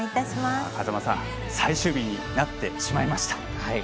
風間さん最終日になってしまいました。